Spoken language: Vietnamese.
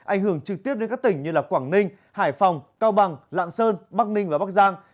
ảnh hưởng trực tiếp đến các tỉnh như quảng ninh hải phòng cao bằng lạng sơn bắc ninh và bắc giang